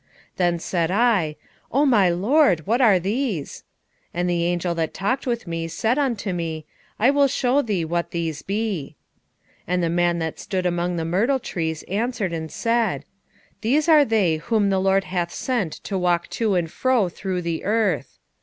1:9 Then said I, O my lord, what are these? And the angel that talked with me said unto me, I will shew thee what these be. 1:10 And the man that stood among the myrtle trees answered and said, These are they whom the LORD hath sent to walk to and fro through the earth.